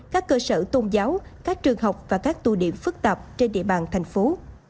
các cơ sở tôn giáo các trường học và các tù điểm phức tạp trên địa bàn thành phố